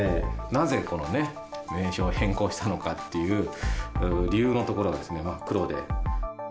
なぜこの名称を変更したのかっていう理由の所が真っ黒で。